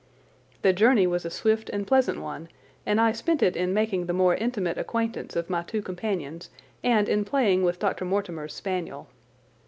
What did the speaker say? The journey was a swift and pleasant one, and I spent it in making the more intimate acquaintance of my two companions and in playing with Dr. Mortimer's spaniel.